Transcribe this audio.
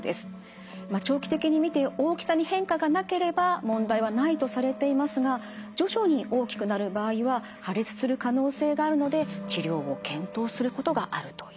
長期的に見て大きさに変化がなければ問題はないとされていますが徐々に大きくなる場合は破裂する可能性があるので治療を検討することがあるということです。